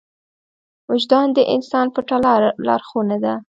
وجدان د انسان پټه لارښوونه ده.